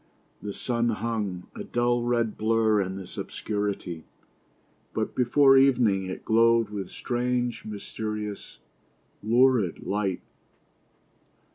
The sun hung, a dull red blur in this obscurity ; but before evening it glowed with strange, mysterious, lurid light.